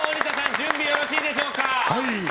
準備よろしいでしょうか。